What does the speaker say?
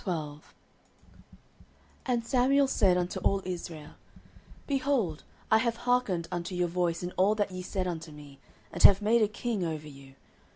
09:012:001 And Samuel said unto all Israel, Behold, I have hearkened unto your voice in all that ye said unto me, and have made a king over you.